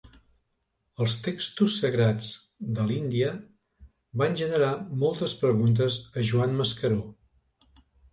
Els textos sagrats de l'Índia van generar moltes preguntes al Joan Mascaró